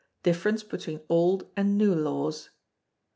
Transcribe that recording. Difference between Old and New Laws.